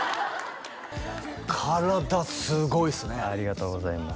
体すごいっすねありがとうございます